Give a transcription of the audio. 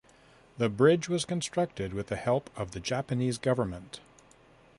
The bridge was constructed with the help of the Japanese Government.